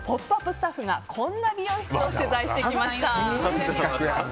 スタッフがこんな美容室を取材してきました。